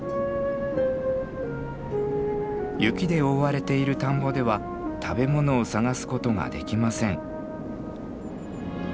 雪で覆われている田んぼでは食べ物を探すことができません。